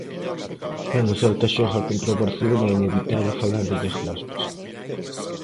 Cando o Celta xoga contra o Barcelona é inevitable falar de Iago Aspas.